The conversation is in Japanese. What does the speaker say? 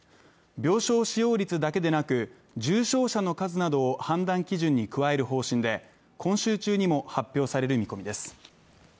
病床使用率だけでなく、重症者の数などを判断基準に加える方針で今週中にも発表される見込みです。